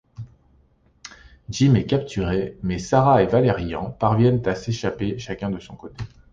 Jim est capturé mais Sarah et Valérian parviennent à s'échapper chacun de son côté.